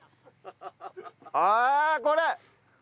ああこれ！